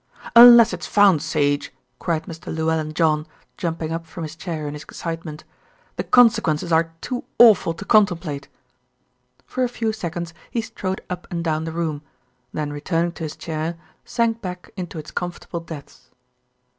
"Unless it's found, Sage," cried Mr. Llewellyn John, jumping up from his chair in his excitement, "the consequences are too awful to contemplate." For a few seconds he strode up and down the room, then returning to his chair, sank back into its comfortable depths.